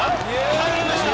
入りました。